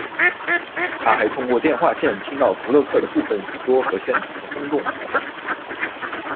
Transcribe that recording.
他还通过电话线听到福勒克的部分演说和现场的轰动反响。